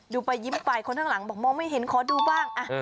ดูไปยิ้มไปคนข้างหลังบอกมองไม่เห็นขอดูบ้าง